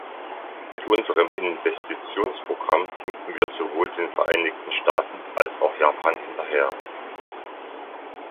Mit unserem Investitionsprogramm hinken wir sowohl den Vereinigten Staaten als auch Japan hinterher.